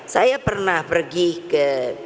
saya pernah pergi ke